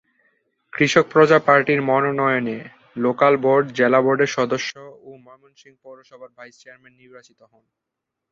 কৃষক প্রজা পার্টির মনোনয়নে লোকাল বোর্ড, জেলা বোর্ডের সদস্য ও ময়মনসিংহ পৌরসভার ভাইস চেয়ারম্যান নির্বাচিত হন।